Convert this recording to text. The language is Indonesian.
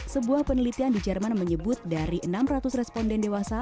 sebuah penelitian di jerman menyebut dari enam ratus responden dewasa